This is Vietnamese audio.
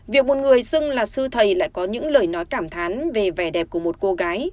việc một người xưng là sư thầy lại có những lời nói cảm thán về vẻ đẹp của một cô gái